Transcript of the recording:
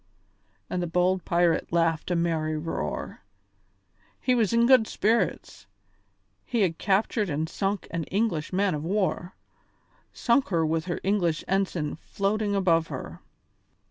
and the bold pirate laughed a merry roar. He was in good spirits; he had captured and sunk an English man of war; sunk her with her English ensign floating above her.